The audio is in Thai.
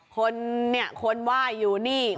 คนเนี่ยคนไหว้อยู่นี่